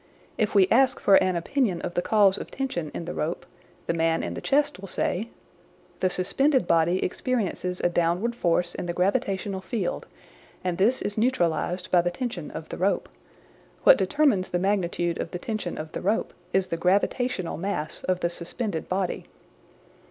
If we ask for an opinion of the cause of tension in the rope, the man in the chest will say: "The suspended body experiences a downward force in the gravitational field, and this is neutralised by the tension of the rope ; what determines the magnitude of the tension of the rope is the gravitational mass of the suspended body."